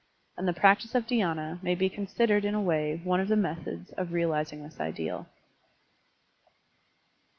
And the practice of dhydna may be considered in a way one of the methods of realizing this ideal.